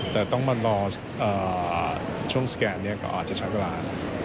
แต่ต้องมารอช่วงสแกนก็อาจจะช้ากล้า